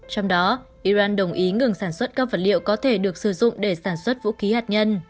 trong đó iran đồng ý ngừng sản xuất các vật liệu có thể được sử dụng để sản xuất vũ khí hạt nhân